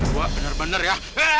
gua bener bener ya